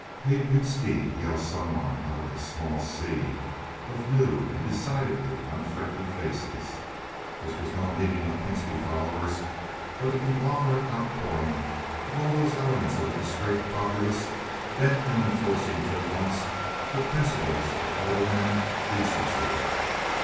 "Hey, Pinski!" yells some one out of a small sea of new and decidedly unfriendly faces. (This is no meeting of Pinski followers, but a conglomerate outpouring of all those elements of a distrait populace bent on enforcing for once the principles of aldermanic decency.